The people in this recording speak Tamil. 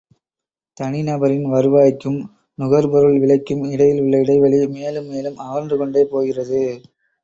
தனி நபரின் வருவாய்க்கும் நுகர்பொருள் விலைக்கும் இடையில் உள்ள இடைவெளி மேலும், மேலும் அகன்று கொண்டே போகிறது.